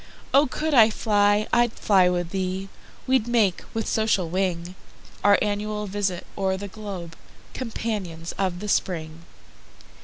O could I fly, I'd fly with thee:We'd make, with social wing, Our annual visit o'er the globe, Companions of the Spring.